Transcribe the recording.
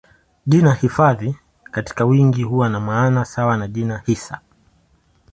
Jina hifadhi katika wingi huwa na maana sawa na jina hisa.